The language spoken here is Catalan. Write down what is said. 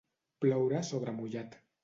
Ploure sobre mullat.